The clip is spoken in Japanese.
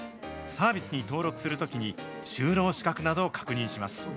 サービスに登録するときに、就労資格などを確認します。